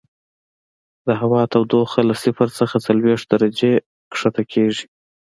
د هوا تودوخه له صفر څخه څلوېښت درجې ښکته کیږي